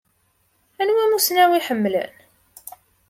Anwa amussnaw i ḥemmlen?